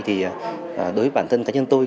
thì đối với bản thân cá nhân tôi